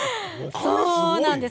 そうなんです。